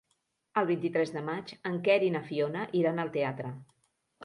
El vint-i-tres de maig en Quer i na Fiona iran al teatre.